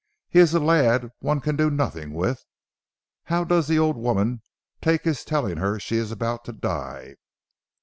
He is a lad one can do nothing with. How does the old woman take his telling her she is about to die."